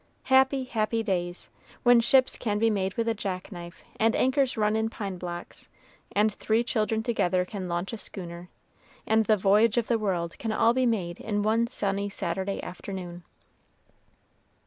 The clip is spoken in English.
Happy, happy days when ships can be made with a jack knife and anchors run in pine blocks, and three children together can launch a schooner, and the voyage of the world can all be made in one sunny Saturday afternoon!